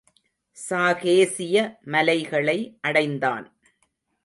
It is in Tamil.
சாகேசிய மலைகளை அடைந்தான்.